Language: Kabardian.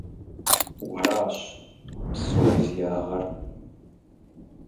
Уэращ псори зи ягъэр!